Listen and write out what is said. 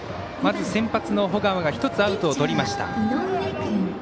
まず先発の保川が１つアウトをとりました。